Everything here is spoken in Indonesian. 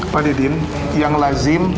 pak didin yang lazim